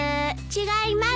違います。